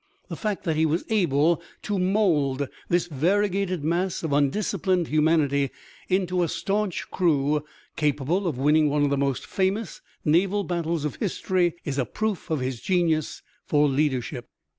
The fact that he was able to mold this variegated mass of undisciplined humanity into a staunch crew capable of winning one of the most famous naval battles of history is a proof of his genius for leadership.